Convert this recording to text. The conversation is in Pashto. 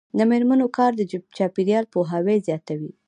د میرمنو کار د چاپیریال پوهاوی زیاتوي.